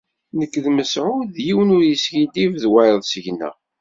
Nekk d Mesεud yiwen ur yeskiddib i wayeḍ seg-neɣ.